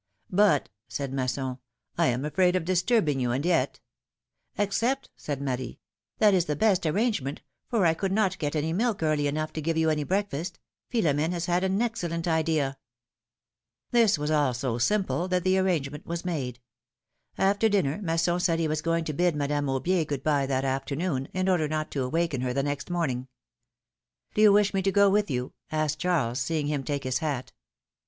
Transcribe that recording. " But," said Masson, " I am afraid of disturbing you, and yet —" "Accept," said Marie, " that is the best arrangement, for I could not get any milk early enough to give you any breakfast. Philomene has had an excellent idea !" PHILOMiiNE's MAKRIAGES. 183 This was all so simple that the arrangement was made. After dinner, Masson said he was going to bid Madame Aubier good bye that afternoon,, in order not to awaken her the next morning. ^'Do you wish me to go with you?^^ asked Cliarles, seeing him take his Iiat.